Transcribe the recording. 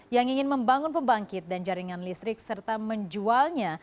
yang ingin membangun pembangkit dan jaringan listrik serta menjualnya